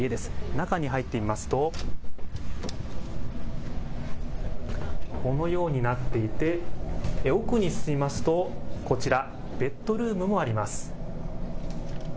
中に入ってみますとこのようになっていって奥に進みますとこちらベッドルームもあります。